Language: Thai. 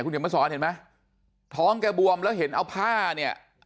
เดี๋ยวมาสอนเห็นไหมท้องแกบวมแล้วเห็นเอาผ้าเนี่ย